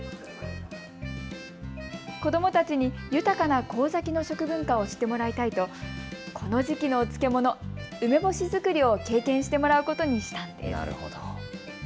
子どもたちに豊かな神崎の食文化を知ってもらいたいとこの時期のお漬物、梅干し作りを経験してもらうことにしたんです。